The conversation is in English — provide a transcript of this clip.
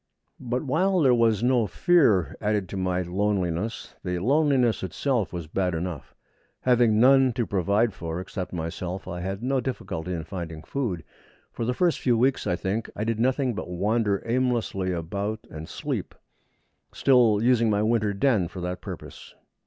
But while there was no fear added to my loneliness, the loneliness itself was bad enough. Having none to provide for except myself, I had no difficulty in finding food. For the first few weeks, I think, I did nothing but wander aimlessly about and sleep, still using my winter den for that purpose.